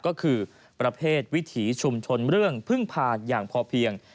ก็คือประเภทวิถีชุมชนเรื่องพึ่งพาอย่างพอเพียง